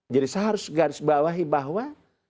jadi seharusnya saya harus garisbawahi bahwa